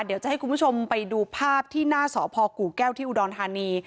เดี๋ยวจะให้คุณผู้ชมไปดูภาพที่หน้าสพกู่แก้วที่อุดรธานี